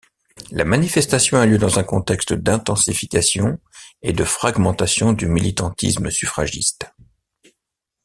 La manifestation a lieu dans un contexte d'intensification et de fragmentation du militantisme suffragiste.